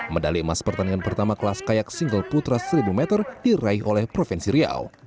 medali emas pertandingan pertama kelas kayak single putra seribu meter diraih oleh provinsi riau